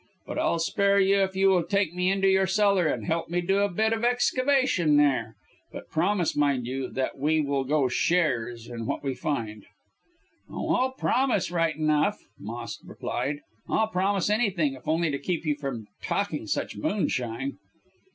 But I'll spare you if you will take me into your cellar and help me to do a bit of excavation there. But promise, mind you, that we will go shares in what we find.' "'Oh, I'll promise right enough,' Moss replied. 'I'll promise anything if only to keep you from talking such moonshine.'